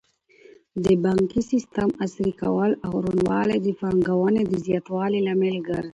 د بانکي سیسټم عصري کول او روڼوالی د پانګونې د زیاتوالي لامل ګرځي.